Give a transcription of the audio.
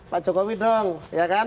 pak jokowi dong ya kan